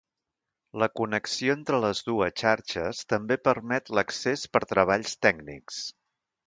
La connexió entre les dues xarxes també permet l'accés per treballs tècnics.